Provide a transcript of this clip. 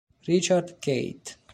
Richard Keith